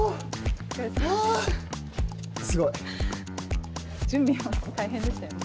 すごい！準備も大変でしたよね。